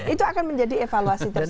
itu akan menjadi evaluasi tersen